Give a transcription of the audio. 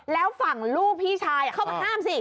แล้วฝั่งลูกพี่ชายเข้ามาห้ามสิ